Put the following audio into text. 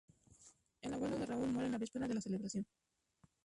El abuelo de Rahul muere en la víspera de la celebración.